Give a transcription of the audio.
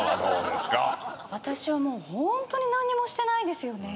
私はもうホントに何にもしてないんですよね。